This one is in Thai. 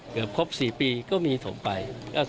เกือบครบ๔ปีก็มีถมไป